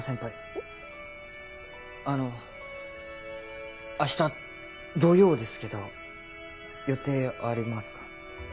あの明日土曜ですけど予定ありますか？